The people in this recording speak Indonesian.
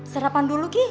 sarapan dulu ki